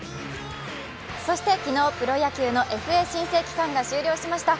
そして、昨日、プロ野球のＦＡ申請期間が終了しました。